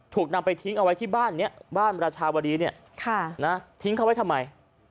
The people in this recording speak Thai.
ถูกนำไปทิ้งเอาไว้ที่บ้านนี้บ้านราชาวดีเนี่ยทิ้งเขาไว้ทำไม